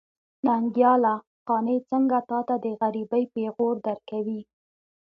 ننګياله! قانع څنګه تاته د غريبۍ پېغور درکوي.